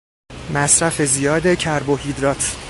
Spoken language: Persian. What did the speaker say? مصرف زیاد کربوهیدرات